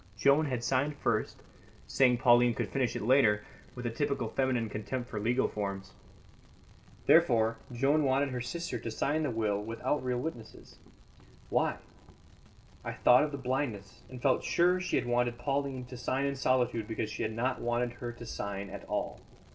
Joan had signed first, saying Pauline could finish it later, with a typical feminine contempt for legal forms. Therefore, Joan wanted her sister to sign the will without real witnesses. Why? I thought of the blindness, and felt sure she had wanted Pauline to sign in solitude because she had wanted her not to sign at all.